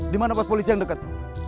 di mana pos polisi yang dekat